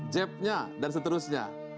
jabnya dan seterusnya